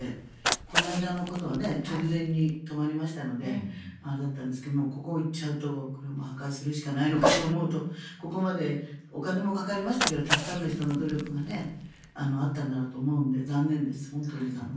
この間のことは直前に止まりましたのであれだったんですけどここに行っちゃうと破壊するしかないのかと思うとここまでお金もかかりましたけどたくさんの人の努力があったんだろうと思うので残念です、本当に残念。